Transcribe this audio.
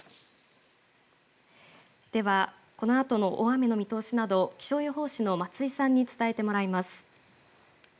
ではこのあとの大雨の見通しなど気象予報士の松井さんに伝えてもらいます。